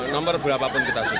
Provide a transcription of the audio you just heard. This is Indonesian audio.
nomor berapa pun kita syukur